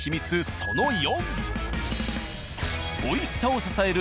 その４。